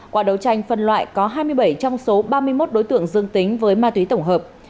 qua đấu tranh phân loại có hai mươi bảy trong số ba mươi một đối tượng dương tính với ma túy tổng hợp